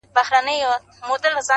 مور جانه مي مريضه ده